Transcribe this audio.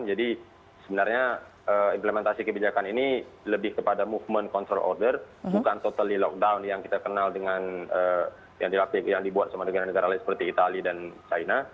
jadi sebenarnya implementasi kebijakan ini lebih kepada movement control order bukan totally lockdown yang kita kenal dengan yang dibuat sama negara negara lain seperti itali dan china